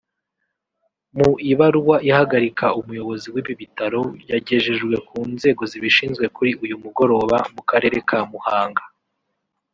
Mu ibaruwa ihagarika umuyobozi w’ibi bitaro yagejejwe ku nzego zibishinzwe kuri uyu mugoroba mu karere ka Muhanga